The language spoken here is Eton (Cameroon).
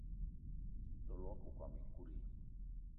Ntol wakokóm ekut i?